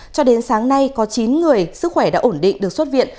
cho đến sáng nay có chín người sức khỏe đã ổn định được xuất viện